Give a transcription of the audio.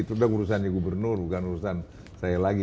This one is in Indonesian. itu udah urusannya gubernur bukan urusan saya lagi